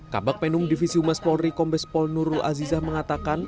kabak penung divisi umas polri kombes polnurul azizah mengatakan